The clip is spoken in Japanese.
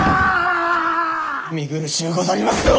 見苦しゅうござりますぞ！